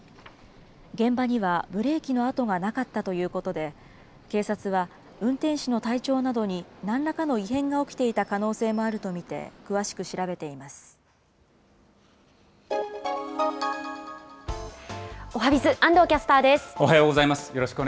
現場にはブレーキの痕がなかったということで、警察は運転手の体調などになんらかの異変が起きていた可能性もあおはＢｉｚ、安藤キャスターおはようございます。